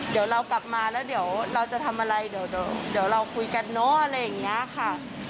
เดี๋ยวเรากลับมาแล้วเดี๋ยวเราจะทำอะไรเดี๋ยวเราคุยกันเนอะอะไรอย่างนี้ค่ะ